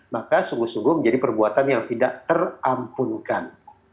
maka sungguh sungguh menjadi perbuatan yang tidak terampunkan